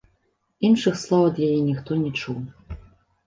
Іншых слоў ад яе ніхто не чуў.